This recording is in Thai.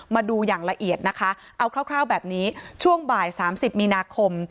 มาดูอย่างละเอียดนะคะเอาคร่าวแบบนี้ช่วงบ่าย๓๐มีนาคม